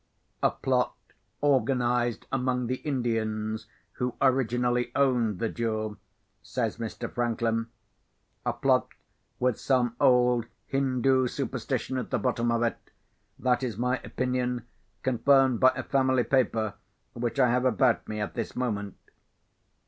"A plot organised among the Indians who originally owned the jewel," says Mr. Franklin—"a plot with some old Hindoo superstition at the bottom of it. That is my opinion, confirmed by a family paper which I have about me at this moment."